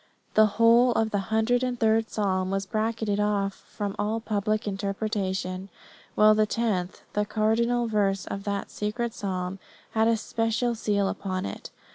The whole of the hundred and third psalm was bracketed off from all public interpretation; while the tenth, the cardinal verse of that secret psalm, had a special seal set upon it.